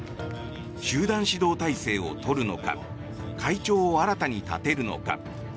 集団指導体制を取るのか会長を新たに立てるのか。